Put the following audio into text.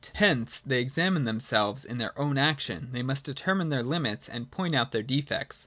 Hence they examine themselves : in their own action they must determine their hmits, and point out their defects.